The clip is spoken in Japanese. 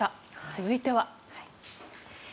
続いては。